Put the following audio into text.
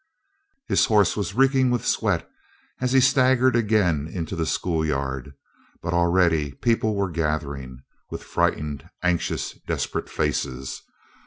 His horse was reeking with sweat as he staggered again into the school yard; but already the people were gathering, with frightened, anxious, desperate faces.